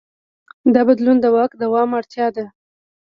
دا بدلون د واک د دوام اړتیا ده.